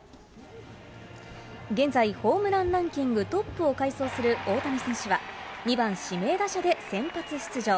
現在、ホームランランキングトップを快走する大谷選手は、２番指名打者で先発出場。